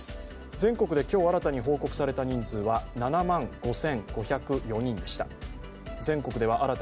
全国で今日新たに報告された人数は７万５５０４人でした。